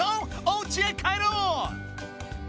おうちへ帰ろう！